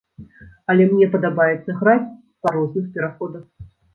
Але мне падабаецца граць па розных пераходах.